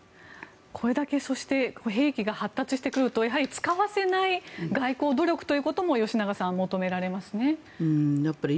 これだけ兵器が発達してくるとやはり使わせない外交努力というのも吉永さん、求められますね。